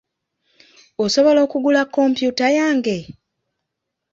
Osobola okugula kompyuta yange?